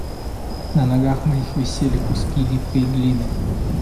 На ногах моих висели куски липкой глины